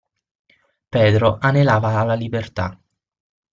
Pedro anelava alla libertà.